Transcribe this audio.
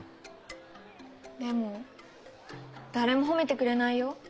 でも誰も褒めてくれないよ。